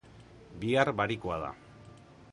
Bihar barikua da.